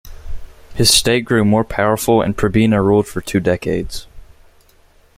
His state grew powerful and Pribina ruled for two decades.